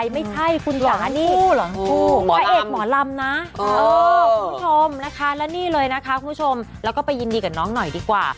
แล้วนี่เลยนะคะคุณผู้ชมแล้วก็ไปยินดีกับน้องหน่อยดีกว่า